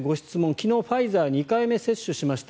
昨日ファイザーの２回目を接種しました。